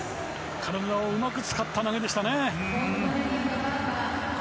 体をうまく使った投げでしたね。